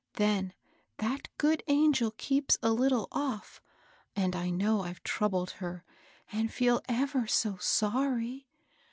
Then that good angel keeps a Kttle off, and I know I've troubled her, and feel ever so sor ry.